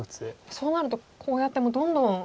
そうなるとこうやってもうどんどん。